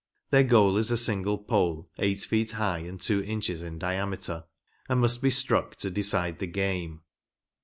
Their goal is a single pole, eight feet high and two inches in diameter, and must be struck to decide the game.